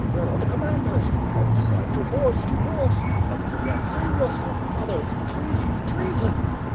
Where are the commanders? Others cried, To horse! To horse! Others, again, save yourself, 512 WITH FIRE AND SWORD. brothersi Treason! Treason!'